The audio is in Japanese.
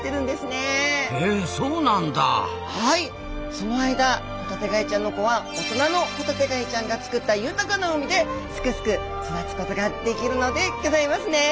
その間ホタテガイちゃんの子は大人のホタテガイちゃんが作った豊かな海ですくすく育つことができるのでギョざいますねえ。